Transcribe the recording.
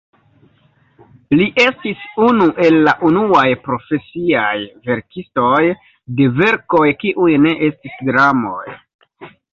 Li estis unu el la unuaj profesiaj verkistoj de verkoj kiuj ne estis dramoj.